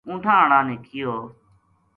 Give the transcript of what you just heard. اونٹھاں ہاڑا نے کہیو